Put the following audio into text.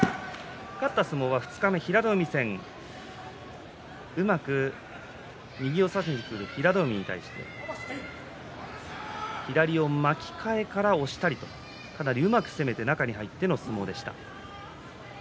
勝った相撲は二日目、平戸海戦うまく右を差しにいく平戸海に対して左巻き替えたら押し出してうまく攻めて中に入った相撲でした。